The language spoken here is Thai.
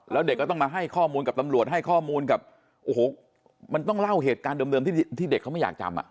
แล้วเด็กก็ต้องมาให้ข้อมูลกับตำรวจให้ข้อมูลกับโอ้โหมันต้องเล่าเหตุการณ์เดิมที่เด็กเขาไม่อยากจำอ่ะ